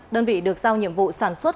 đơn vị được giao nhiệm vụ sản xuất